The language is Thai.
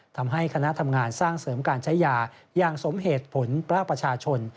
ทำให้คณะทำงานสร้างเสริมการใช้ยาอย่างสมเหตุผลภาคประชาชน